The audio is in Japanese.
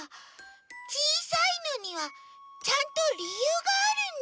ちいさいのにはちゃんとりゆうがあるんだ。